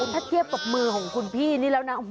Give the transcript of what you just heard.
ถ้าเทียบกับมือของคุณพี่นี่แล้วนะ